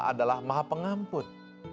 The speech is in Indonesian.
adalah maha pengampun